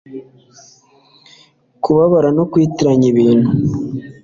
kubabara no kwitiranya ibintu